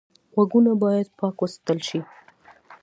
غوږونه باید پاک وساتل شي